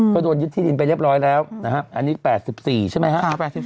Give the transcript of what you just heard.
ก็โดนยึดที่ดินไปเรียบร้อยแล้วอันนี้๘๔ใช่ไหมครับ